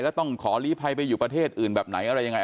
แล้วต้องขอลีภัยไปอยู่ประเทศอื่นแบบไหนอะไรยังไง